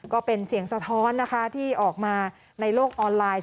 ก็เป็นเสียงสะท้อนนะคะที่ออกมาในโลกออนไลน์